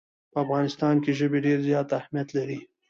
په افغانستان کې ژبې ډېر زیات اهمیت لري.